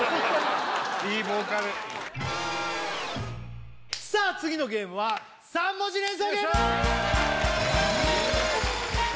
・いいボーカルさあ次のゲームは３文字連想ゲーム